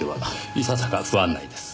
いささか不案内です。